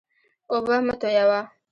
اوبه مه تویوه.